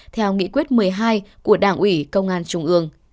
theo nghị quyết một mươi hai của đảng ủy công an trung ương